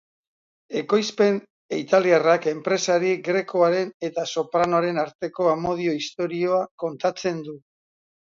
Ekoizpen italiarrak enpresari grekoaren eta sopranoaren arteko amodio istorioa kontatzen du.